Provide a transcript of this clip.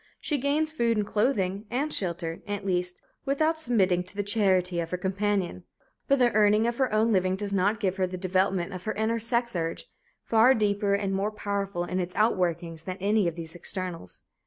She gains food and clothing and shelter, at least, without submitting to the charity of her companion, but the earning of her own living does not give her the development of her inner sex urge, far deeper and more powerful in its outworkings than any of these externals.